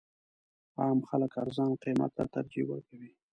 عام خلک ارزان قیمت ته ترجیح ورکوي.